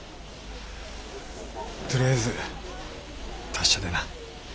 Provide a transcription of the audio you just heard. とりあえず達者でな。